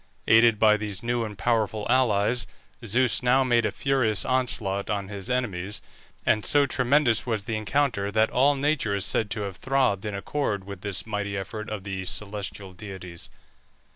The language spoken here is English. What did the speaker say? Aided by these new and powerful allies, Zeus now made a furious onslaught on his enemies, and so tremendous was the encounter that all nature is said to have throbbed in accord with this mighty effort of the celestial deities.